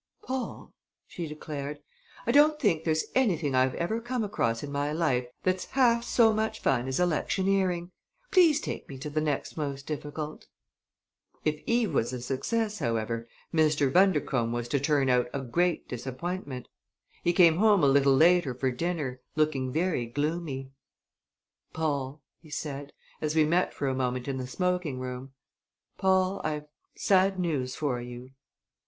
"Paul," she declared, "I don't think there's anything I've ever come across in my life that's half so much fun as electioneering! Please take me to the next most difficult." If Eve was a success, however, Mr. Bundercombe was to turn out a great disappointment. He came home a little later for dinner, looking very gloomy. "Paul," he said, as we met for a moment in the smoking room, "Paul, I've sad news for you."